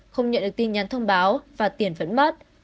không nhận được tin nhắn thông báo và tiền vẫn mát